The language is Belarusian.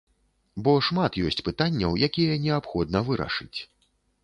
Бо шмат ёсць пытанняў, якія неабходна вырашыць.